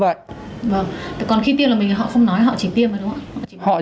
vâng còn khi tiêm là họ không nói họ chỉ tiêm thôi đúng không ạ